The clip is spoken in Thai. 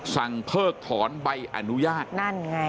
เพิกถอนใบอนุญาตนั่นไง